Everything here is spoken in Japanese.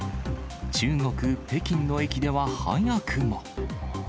中国・北京の駅では早くも。